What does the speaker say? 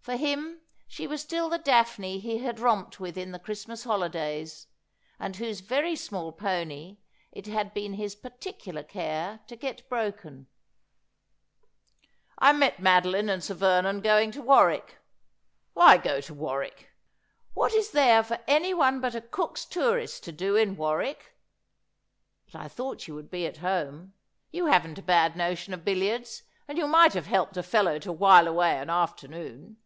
For him she was still the Daphne he had romped with in the Christmas holidays, and whose very small pony it had been his particular care to get broken. ' I met Madoline and Sir Vernon going to Warwick. Why go to Warwick? What is there for anyone but a Cook's tourist to do in Warwick ? But I thought you would be at home. You haven't a bad notion of billiards, and you might have helped a fellow to while away an afternoon.'